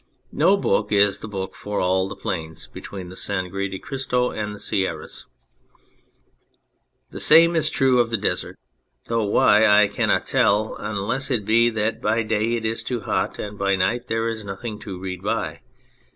No Book is the book for all the plains between the Sangre de Cristo and the Sierras. The same is true of the desert, though why I cannot tell, unless it be that by day it is too hot, and by night there is nothing to read by.